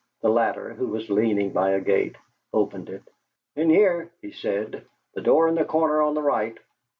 The latter, who was leaning by a gate, opened it. "In here," he said; "the door in the corner on the right."